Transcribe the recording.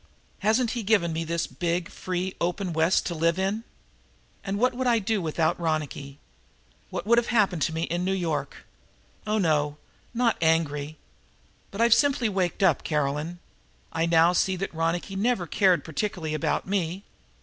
Hasn't he given me this big free open West to live in? And what would I be without Ronicky? What would have happened to me in New York? Oh, no, not angry. But I've simply waked up, Caroline. I see now that Ronicky never cared particularly about me.